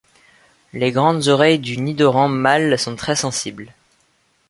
Les grandes oreilles du Nidoran mâle sont très sensibles.